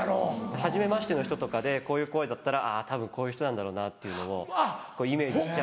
はじめましての人とかでこういう声だったらたぶんこういう人なんだろうなっていうのをイメージしちゃう。